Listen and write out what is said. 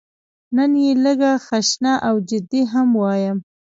نن یې لږه خشنه او جدي هم وایم.